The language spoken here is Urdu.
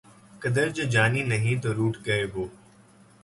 قدر جو جانی نہیں تو روٹھ گئے وہ